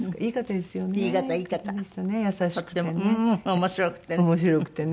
面白くてね。